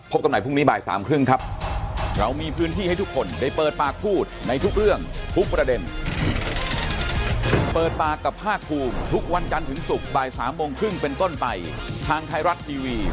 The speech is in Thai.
กันใหม่พรุ่งนี้บ่ายสามครึ่งครับ